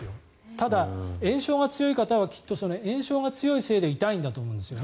ただ、炎症が強い方は炎症が強いせいで痛いんだと思うんですよね。